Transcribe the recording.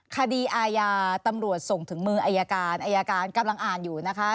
คดีอาญาตำรวจส่งถึงมืออายการอายการกำลังอ่านอยู่นะคะ